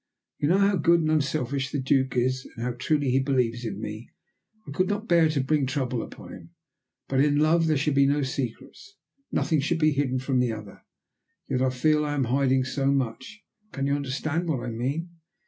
"You know how good and unselfish the Duke is, and how truly he believes in me. I could not bear to bring trouble upon him, but in love there should be no secrets nothing should be hidden one from the other. Yet I feel that I am hiding so much can you understand what I mean?"